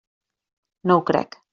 No ho crec.